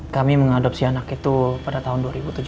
kami mengadopsi anak itu pada tahun dua ribu tujuh belas